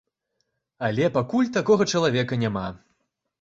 Але пакуль такога чалавека няма.